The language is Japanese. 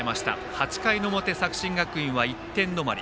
８回の表、作新学院は１点止まり。